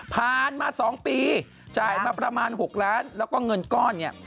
ผ่านมา๒ปีจ่ายมาประมาณ๖ล้านแล้วก็เงินก้อนเนี่ย